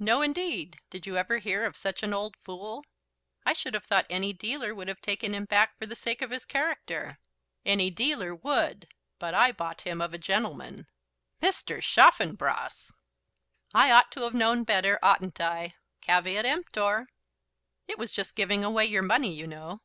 "No, indeed! Did you ever hear of such an old fool?" "I should have thought any dealer would have taken him back for the sake of his character." "Any dealer would; but I bought him of a gentleman." "Mr. Chaffanbrass!" "I ought to have known better, oughtn't I? Caveat emptor." "It was just giving away your money, you know."